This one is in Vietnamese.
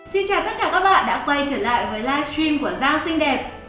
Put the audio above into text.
xin chào tất cả các bạn đã quay trở lại với live stream của giang sinh đẹp